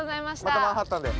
またマンハッタンで。